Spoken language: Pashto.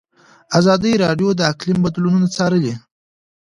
ازادي راډیو د اقلیم بدلونونه څارلي.